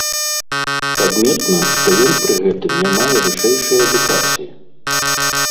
Адметна, што ён пры гэтым не мае вышэйшай адукацыі.